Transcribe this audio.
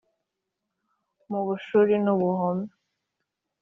mu bushiru n’u buhoma